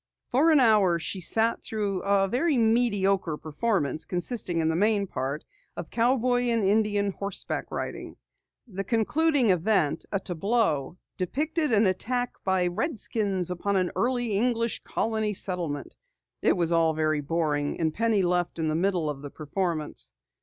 For an hour she sat through a very mediocre performance, consisting in the main part of cowboy and Indian horseback riding. The concluding event, a tableau, depicted an attack by redskins upon an early English colony settlement. It was all very boring, and Penny left in the middle of the performance.